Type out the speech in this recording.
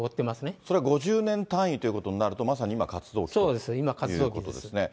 それは５０年単位ということになると、まさに今、活動期といそうですね、今、活動期です。